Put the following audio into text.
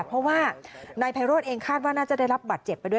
เพราะว่านายไพโรธเองคาดว่าน่าจะได้รับบัตรเจ็บไปด้วย